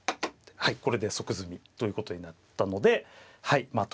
はいこれで即詰みということになったのではいまあ